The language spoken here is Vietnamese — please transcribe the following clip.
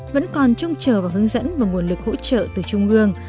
vẫn còn trông chờ và hướng dẫn vào nguồn lực hỗ trợ từ trung ương